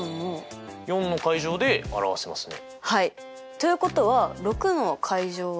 ということは６！は。